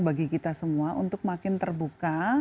bagi kita semua untuk makin terbuka